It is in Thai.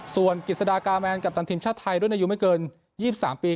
ส่วนกิจสดากาแมนกัปตันทีมชาติไทยรุ่นอายุไม่เกิน๒๓ปี